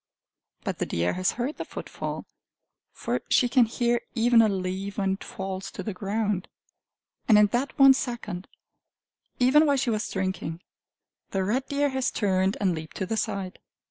But the deer has heard the footfall! For she can hear even a leaf when it falls to the ground. And in that one second, even while she was drinking, the red deer has turned and leaped to the side.